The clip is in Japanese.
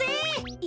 え